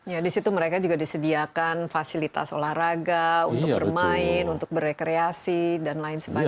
ya di situ mereka juga disediakan fasilitas olahraga untuk bermain untuk berrekreasi dan lain sebagainya